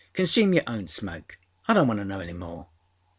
Consume your own smoke. I donât want to know any more.